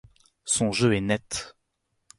Son jeu est net.